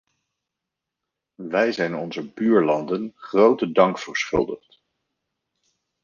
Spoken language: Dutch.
Wij zijn onze buurlanden grote dank verschuldigd.